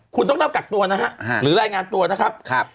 คุณต้องเริ่มกักตัวนะฮะหรือรายงานตัวนะครับ